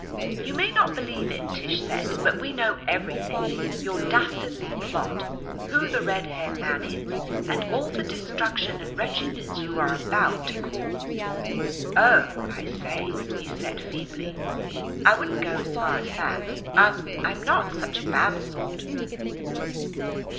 "You may not believe it," Tish said, "but we know everything your dastardly plot, who the red haired man is, and all the destruction and wretchedness you are about to cause." "Oh, I say!" he said feebly. "I wouldn't go as far as that. I'm I'm not such a bad sort."